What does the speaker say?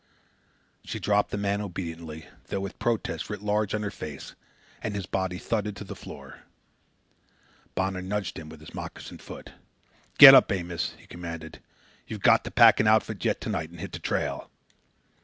She dropped the man obediently, though with protest writ large on her face; and his body thudded to the floor. Bonner nudged him with his moccasined foot. "Get up, Amos!" he commanded. "You've got to pack an outfit yet to night and hit the trail."